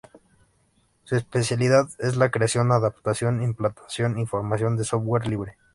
Su especialidad es la creación, adaptación, implantación y formación en software libre.